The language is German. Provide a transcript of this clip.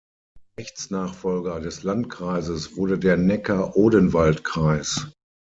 Rechtsnachfolger des Landkreises wurde der Neckar-Odenwald-Kreis.